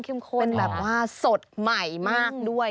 เป็นแบบว่าสดใหม่มากด้วย